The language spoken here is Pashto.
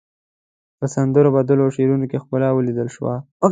په سندرو، بدلو او شعرونو کې ښکلا وليدل شوه.